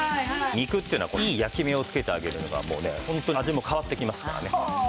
肉っていうのはいい焼き目をつけてあげるのがホントに味も変わってきますからね。